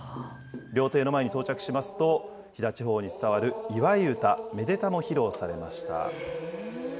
料亭の前に到着しますと、飛騨地方に伝わる祝い唄、めでたも披露されました。